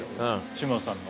志麻さんの。